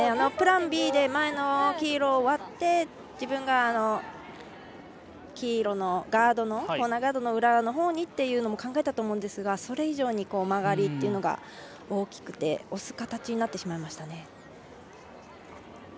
プランＢで前の黄色を割って自分が黄色のコーナーガードの裏にというのも考えたと思うんですがそれ以上に曲がりっていうのが大きくて押す形になってしまいましたね。